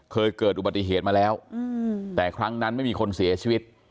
เคยเกิดอุบัติเหตุมาแล้วแต่ครั้งนั้นไม่มีคนเสียชีวิต